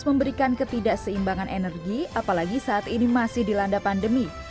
memberikan ketidakseimbangan energi apalagi saat ini masih dilanda pandemi